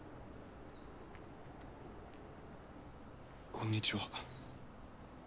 こんにちは。